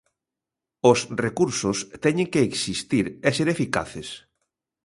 Os recursos teñen que existir e ser eficaces.